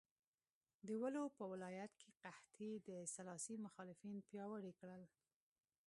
د ولو په ولایت کې قحطۍ د سلاسي مخالفین پیاوړي کړل.